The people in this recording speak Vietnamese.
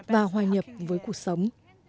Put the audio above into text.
và hoài nhập với cuộc sống